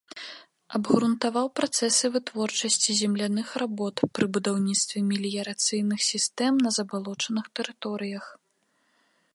Абгрунтаваў працэсы вытворчасці земляных работ пры будаўніцтве меліярацыйных сістэм на забалочаных тэрыторыях.